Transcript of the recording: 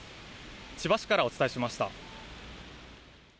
千葉市からお伝えしました。